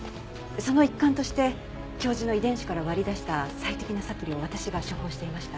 その一環として教授の遺伝子から割り出した最適なサプリを私が処方していました。